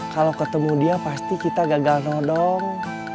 kalau ketemu dia pasti kita gagal nodong